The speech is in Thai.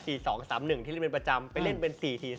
ที่เล่นเป็นประจำไปเล่นเป็น๔๔